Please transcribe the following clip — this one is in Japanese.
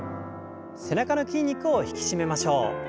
背中の筋肉を引き締めましょう。